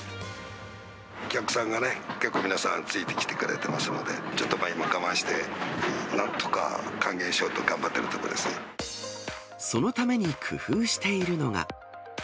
お客さんが結構皆さん、ついてきてくれてますので、ちょっと今、我慢してなんとか還元しようと頑張っているところでそのために工夫しているのが。